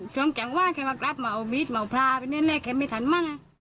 ช่องแก่งว่าแค่ว่ากลับมาเอามีดมาเอาพลาไปนั่นแหละแค่ไม่ทันมาก